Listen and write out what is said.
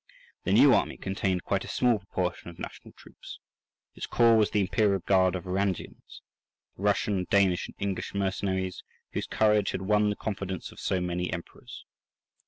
The new army contained quite a small proportion of national troops. Its core was the imperial guard of Varangians—the Russian, Danish, and English mercenaries, whose courage had won the confidence of so many emperors.